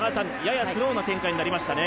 ややスローな展開になりましたね。